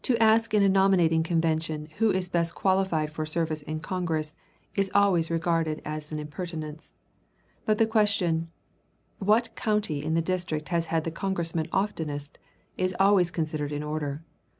To ask in a nominating convention who is best qualified for service in Congress is always regarded as an impertinence; but the question "what county in the district has had the Congressman oftenest" is always considered in order.